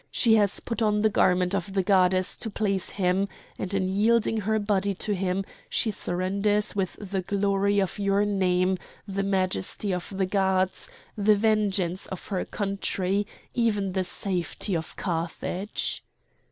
She has put on the garment of the goddess to please him; and in yielding her body to him she surrenders with the glory of your name the majesty of the gods, the vengeance of her country, even the safety of Carthage!